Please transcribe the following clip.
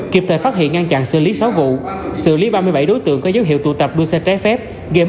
kịp thời phát hiện ngăn chặn xử lý sáu vụ xử lý ba mươi bảy đối tượng có dấu hiệu tụ tập đua xe trái phép gồm